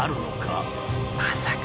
まさか。